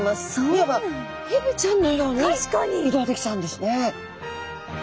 いわばヘビちゃんのように移動できちゃうんですね。